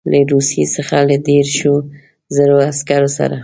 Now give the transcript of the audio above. له روسیې څخه له دېرشو زرو عسکرو سره.